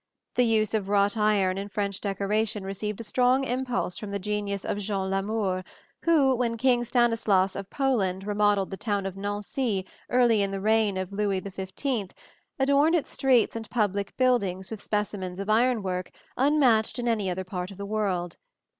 The use of wrought iron in French decoration received a strong impulse from the genius of Jean Lamour, who, when King Stanislas of Poland remodelled the town of Nancy early in the reign of Louis XV, adorned its streets and public buildings with specimens of iron work unmatched in any other part of the world.